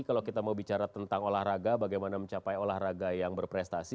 kalau kita mau bicara tentang olahraga bagaimana mencapai olahraga yang berprestasi